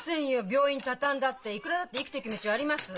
病院畳んだっていくらだって生きてく道はあります。